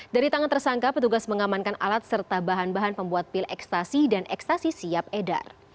dari tangan tersangka petugas mengamankan alat serta bahan bahan pembuat pil ekstasi dan ekstasi siap edar